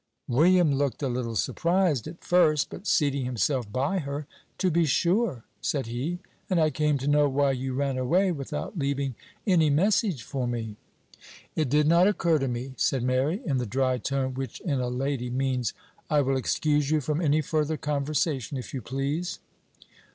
William looked a little surprised at first, but seating himself by her, "To be sure," said he; "and I came to know why you ran away without leaving any message for me?" "It did not occur to me," said Mary, in the dry tone which, in a lady, means, "I will excuse you from any further conversation, if you please."